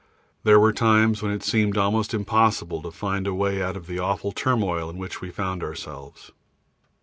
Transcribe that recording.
There were times when it seemed almost impossible to find a way out of the awful turmoil in which we found ourselves.